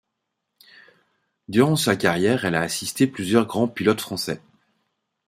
Durant sa carrière elle a assisté plusieurs grands pilotes français.